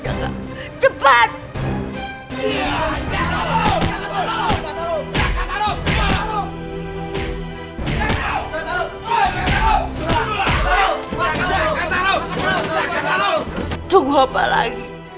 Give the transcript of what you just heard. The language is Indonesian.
ya enggak tunggu apa lagi